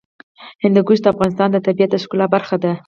هندوکش د افغانستان د طبیعت د ښکلا برخه ده.